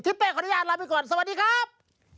เป้ขออนุญาตลาไปก่อนสวัสดีครับ